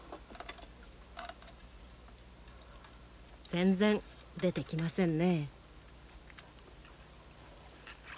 全然出てきませんね。